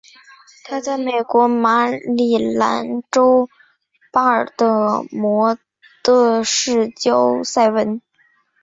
她在美国马里兰州巴尔的摩的市郊塞文。